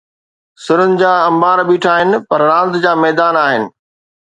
سرن جا انبار بيٺا آهن، پر راند جا ميدان آهن.